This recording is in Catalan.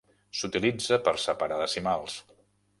S'utilitza per separar decimals.